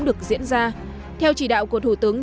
được diễn ra theo chỉ đạo của thủ tướng